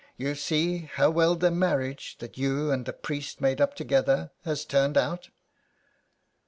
You see how well the marriage that you and the priest made up together has turned out."